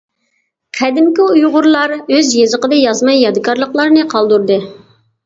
قەدىمكى ئۇيغۇرلار ئۆز يېزىقىدا يازما يادىكارلىقلارنى قالدۇردى.